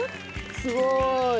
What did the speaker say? すごーい。